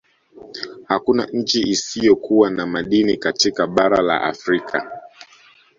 Hakuna nchi isiyo kuwa na madini katika bara la Afrika